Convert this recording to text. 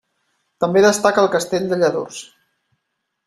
També destaca el Castell de Lladurs.